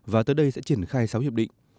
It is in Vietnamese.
và tới đây sẽ triển khai sáu hiệp định